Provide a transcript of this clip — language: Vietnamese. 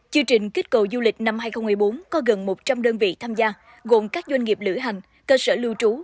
chương trình kích cầu du lịch năm hai nghìn một mươi bốn có gần một trăm linh đơn vị tham gia gồm các doanh nghiệp lữ hành cơ sở lưu trú